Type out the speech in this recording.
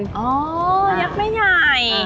อ๋อยักษ์แม่ใหญ่